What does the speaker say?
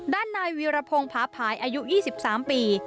ด้านนายวีรพงศ์ผาภายอายุ๒๓ปี